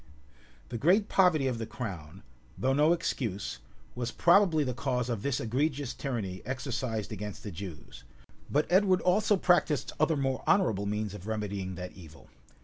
The great poverty of the crown, though no excuse, was probably the cause of this egregious tyranny exercised against the Jews; but Edward also practised other more honorable means of remedying that evil.